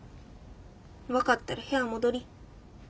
分かったら部屋戻り。